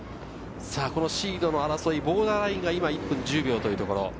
シードの争い、ボーダーラインが今１分１０秒というところ。